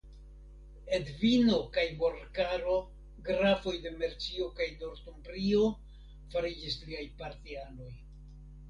Edvino kaj Morkaro grafoj de Mercio kaj Nortumbrio fariĝis liaj partianoj.